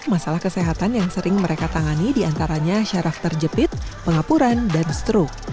masalah kesehatan yang sering mereka tangani diantaranya syaraf terjepit pengapuran dan stroke